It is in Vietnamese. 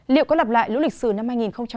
liệu có lặp lại lũ lịch sử năm hai nghìn một mươi